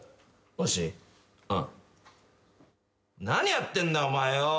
何やってんだお前よ！